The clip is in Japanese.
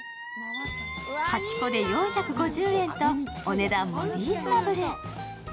８個で４５０円とお値段もリーズナブル。